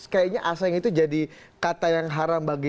kayaknya asing itu jadi kata yang haram bagi orang lain